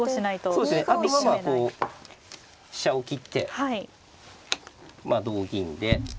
あとはまあこう飛車を切ってまあ同銀で。